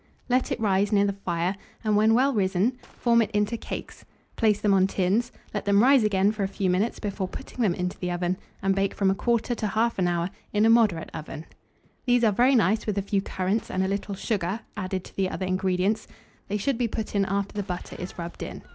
Let it rise near the fire, and, when well risen, form it into cakes; place them on tins, let them rise again for a few minutes before putting them into the oven, and bake from 1/4 to 1/2 hour in a moderate oven. These are very nice with a few currants and a little sugar added to the other ingredients: they should be put in after the butter is rubbed in.